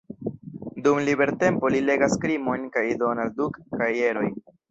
Dum libertempo li legas krimojn kaj Donald-Duck-kajeroj.